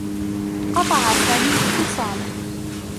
قطع سامي الاتّصال.